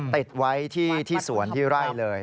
ติดไว้ที่สวนที่ไร่เลย